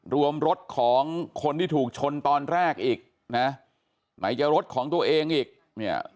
รวมรถของคนที่ถูกชนตอนแรกอีกนะไหนจะรถของตัวเองอีกเนี่ย